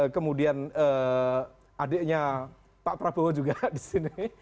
kemudian adiknya pak prabowo juga disini